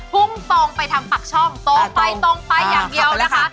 พุ่งตรงไปทางปากช่องตรงไปตรงไปอย่างเดียวนะคะ